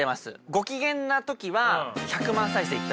ご機嫌な時は１００万再生いった時。